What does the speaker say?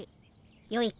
よいか？